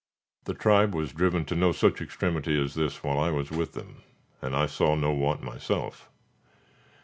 The tribe was driven to no such extremity as this while I was with them, and I saw no want myself.